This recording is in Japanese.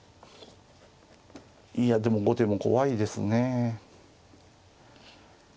いやでも後手も怖いですね。